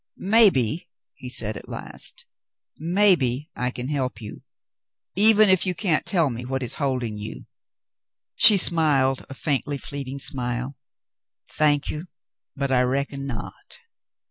"Maybe," he said at last, "maybe I can help you, even if you can't tell me what is holding you." She smiled a faintly fleeting smile. "Thank you — but I reckon not."